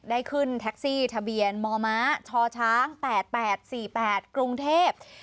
ได้ขึ้นแท็กซี่ทะเบียนมมชช๘๘๔๘กรุงเทพ